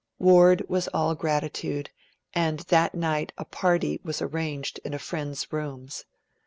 Ward was all gratitude, and that night a party was arranged in a friend's rooms.